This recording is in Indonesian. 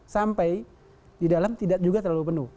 sampai di dalam tidak juga terlalu penuh